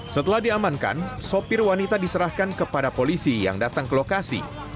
setelah diamankan sopir wanita diserahkan kepada polisi yang datang ke lokasi